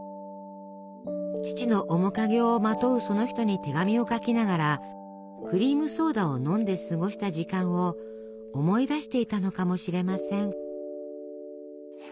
父の面影をまとうその人に手紙を書きながらクリームソーダを飲んで過ごした時間を思い出していたのかもしれません。